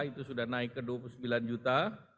itu sudah naik ke dua puluh sembilan juta